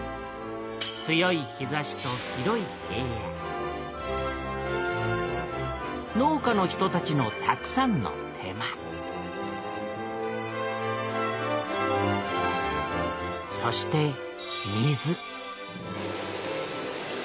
強い日差しと広い平野農家の人たちのたくさんの手間そして水